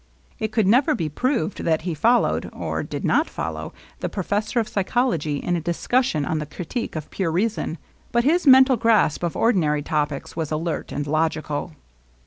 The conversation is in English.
It could never be proved that he followed — or did not follow — the professor of psychology in a dis cussion on the Critique of Pure Reason ; but his mental grasp of ordinary topics was alert and logi cal.